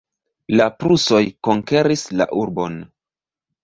La prusoj konkeris la urbon.